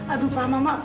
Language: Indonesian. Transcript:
aduh pak mama